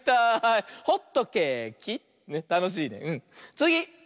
つぎ！